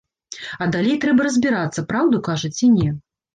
А далей трэба разбірацца, праўду кажа ці не.